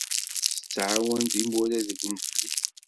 Tanezzut tettεawan timura deg unefli.